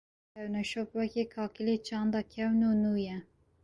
Kevneşop, weke kakilê çanda kevn û nû ye